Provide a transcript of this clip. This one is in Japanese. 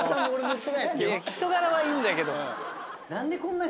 人柄はいいんだけど。